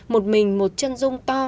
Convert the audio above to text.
một mình một chân rung to